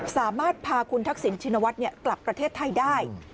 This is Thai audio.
สามารถพาคุณทักษิณชินวัฒน์กลับประเทศไทยได้